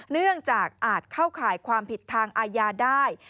เนื่องจากอาจเข้าข่ายความผิดทางอาญาได้